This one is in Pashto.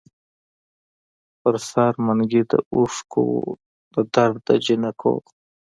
پر سر منګي د اوښکـــــو وو د درد دجینکــــو